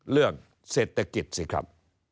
เรื่องเศรษฐกิจสิครับ